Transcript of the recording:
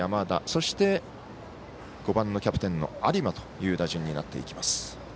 そして、５番のキャプテンの有馬という打順になっていきます。